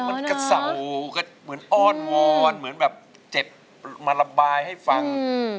มันกระเสากระเหมือนอ้อนวอนเหมือนแบบเจ็บมาระบายให้ฟัง